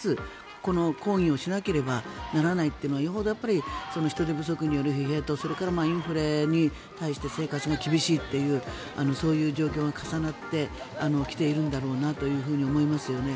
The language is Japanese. この抗議をしなければならないというのはよほど人手不足による疲弊とそれからインフレに対して生活が厳しいというそういう状況が重なってきているんだろうなと思います。